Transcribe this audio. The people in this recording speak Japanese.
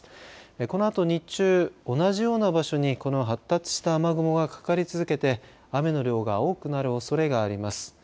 このあと日中、同じような場所にこの発達した雨雲がかかり続けて雨の量が多くなるおそれがあります。